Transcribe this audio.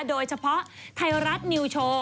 โดยเฉพาะไทยรัฐนิวโชว์